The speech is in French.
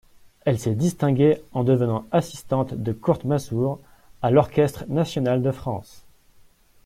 Elle s'est distinguée en devenant assistante de Kurt Masur à l'Orchestre National de France.